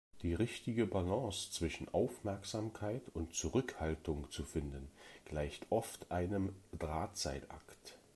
Die richtige Balance zwischen Aufmerksamkeit und Zurückhaltung zu finden, gleicht oft einem Drahtseilakt.